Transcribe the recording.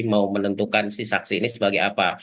mau menentukan si saksi ini sebagai apa